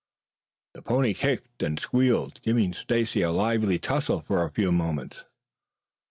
The pony kicked and squealed, giving Stacy a lively tussle for a few moments.